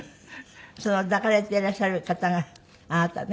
その抱かれていらっしゃる方があなたね。